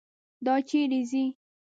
دا چیرې ځي.